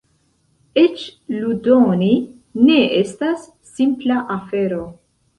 Eĉ ludoni ne estas simpla afero.